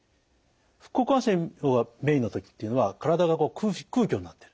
副交感神経の方がメインの時っていうのは体が空虚になってる。